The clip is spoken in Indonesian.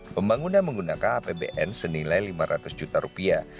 pembangunan menggunakan apbn senilai lima ratus juta rupiah